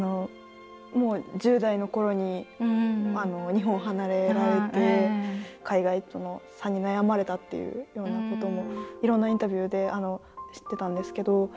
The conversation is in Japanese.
もう１０代のころに日本を離れられて海外との差に悩まれたっていうようなこともいろんなインタビューで知ってたんですけど。